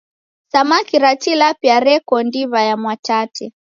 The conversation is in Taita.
Samaki ra Tilapia reko ndiw'a ya Mwatate.